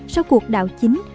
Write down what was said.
sau cuộc đảo chính